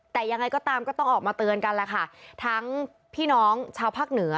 แต่ยังไงก็ตามก็ต้องออกมาเตือนกันแหละค่ะทั้งพี่น้องชาวภาคเหนือ